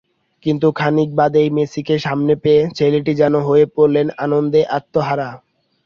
কিন্তু খানিক বাদেই মেসিকে সামনে পেয়ে ছেলেটি যেন হয়ে পড়লেন আনন্দে আত্মহারা।